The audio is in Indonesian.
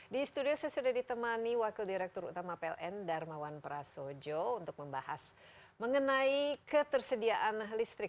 di studio saya sudah ditemani wakil direktur utama pln darmawan prasojo untuk membahas mengenai ketersediaan listrik